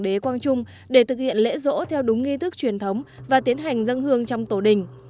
để thực hiện lễ rỗ theo đúng nghi thức truyền thống và tiến hành dâng hương trong tổ đình